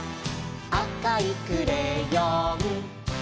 「あかいクレヨン」